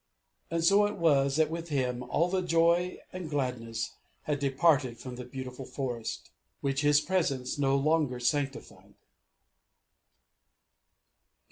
And so it was, that with him, all the joy and gladness had departed from the beautiful forest, which his presence no longer sanctified.